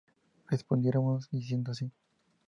Y respondiéronnos, diciendo así: